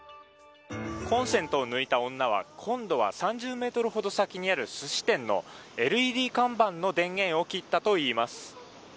コンセントを抜いた女は今度は３０ｍほど先にある寿司店のＬＥＤ看板の電源を切ったといいます。